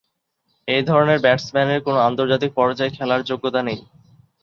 এ ধরনের ব্যাটসম্যানের কোন আন্তর্জাতিক পর্যায়ে খেলার যোগ্যতা নেই।